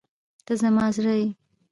ته زما زړه یې.